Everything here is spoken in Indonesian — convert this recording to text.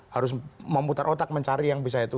harus memutar otak mencari yang bisa itu